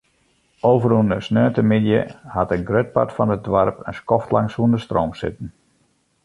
Ofrûne sneontemiddei hat in grut part fan it doarp in skoftlang sûnder stroom sitten.